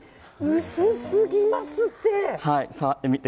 薄すぎますって！